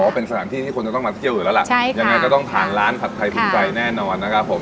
เป็นสถานที่ที่คนจะต้องมาเที่ยวอยู่แล้วล่ะใช่ค่ะยังไงก็ต้องผ่านร้านผัดไทยภูมิใจแน่นอนนะครับผม